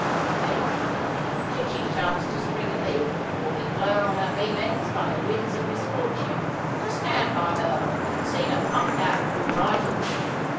'"Eighth. Should she chance to spring a leak, or be blown on her beam ends by the winds of misfortune, to stand by her and see her pumped out or righted."